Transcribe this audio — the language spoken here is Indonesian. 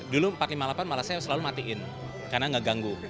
dulu empat ratus lima puluh delapan malah saya selalu matiin karena nggak ganggu